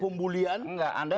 pembulian yang mengarang